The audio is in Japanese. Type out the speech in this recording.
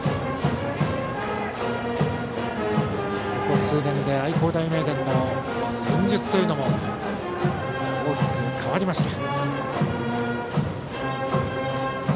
ここ数年で愛工大名電の戦術というのも大きく変わりました。